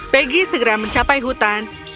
peggy segera mencapai hutan